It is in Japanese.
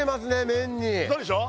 麺にそうでしょ？